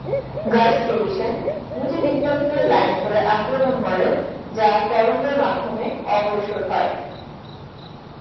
Guards division দুটি ব্রিগেডকে line করে আক্রমণ করে, যা তরঙ্গের মাধ্যমে অগ্রসর হয়।